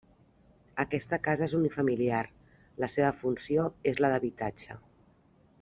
Aquesta casa és unifamiliar, la seva funció, és la d'habitatge.